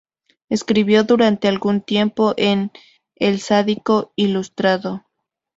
Escribió durante algún tiempo en "El Sádico Ilustrado".